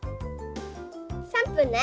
３分ね！